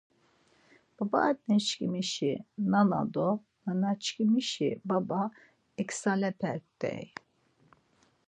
Babaaneşǩmişi nana do nanaşǩimişi baba eksalepert̆ey.